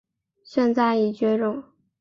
现在已绝种。